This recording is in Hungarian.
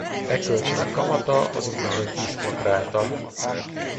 E kölcsönök kamata az úgynevezett diszkont ráta.